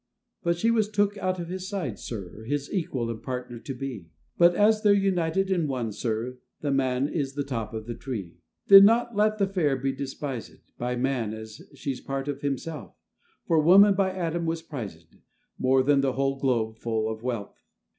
But she was took out of his side, sir, His equal and partner to be; But as they're united in one, sir, The man is the top of the tree. Then let not the fair be despisèd By man, as she's part of himself; For woman by Adam was prizèd More than the whole globe full of wealth.